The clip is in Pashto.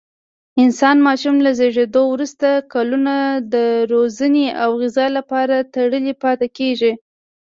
انسان ماشوم له زېږېدو وروسته کلونه د روزنې او غذا لپاره تړلی پاتې کېږي.